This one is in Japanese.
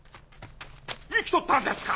生きとったんですか！